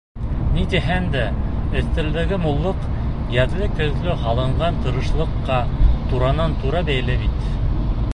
Ни тиһәң дә, өҫтәлдәге муллыҡ яҙлы-көҙлө һалынған тырышлыҡҡа туранан-тура бәйле бит.